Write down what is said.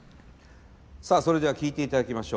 さあそれでは聴いていただきましょう。